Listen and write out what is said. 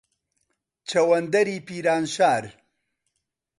چەوەندەری پیرانشار